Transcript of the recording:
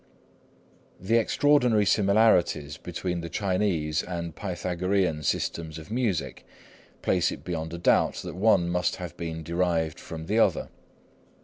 The extraordinary similarities between the Chinese and Pythagorean systems of music place it beyond a doubt that one must have been derived from the other.